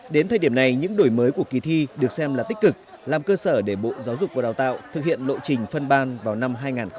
đến thời điểm này những đổi mới của kỳ thi được xem là tích cực làm cơ sở để bộ giáo dục và đào tạo thực hiện lộ trình phân ban vào năm hai nghìn hai mươi